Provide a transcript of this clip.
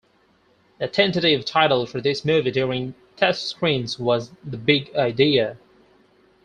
The tentative title for this movie during test screenings was "The Big Idea".